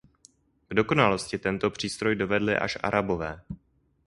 K dokonalosti tento přístroj dovedli až Arabové.